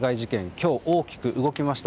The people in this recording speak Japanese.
今日、大きく動きました。